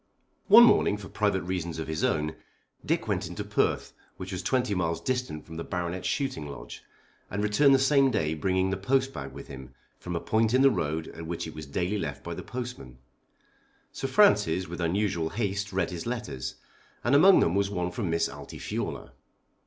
One morning, for private reasons of his own, Dick went into Perth, which was twenty miles distant from the Baronet's shooting lodge, and returned the same day bringing the postbag with him from a point in the road at which it was daily left by the postman. Sir Francis with unusual haste read his letters, and among them was one from Miss Altifiorla.